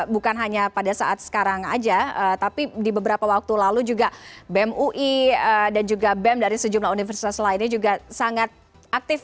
bukan hanya pada saat sekarang saja tapi di beberapa waktu lalu juga bem ui dan juga bem dari sejumlah universitas lainnya juga sangat aktif